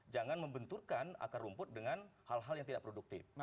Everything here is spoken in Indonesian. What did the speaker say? jangan membenturkan akar rumput dengan hal hal yang tidak produktif